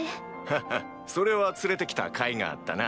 ハハッそれは連れてきたかいがあったな。